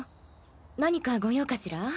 何かご用かしら？